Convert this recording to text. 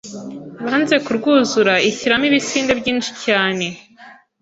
banze kurwuzura ishyiramo ibisinde byinshi cyane